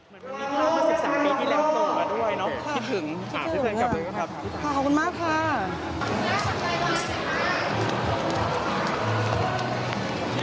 มันมีภาพศึกษามีพี่แรมโฟล์มาด้วยนะครับคิดถึงอ่าพี่แซนกลับมาด้วยครับ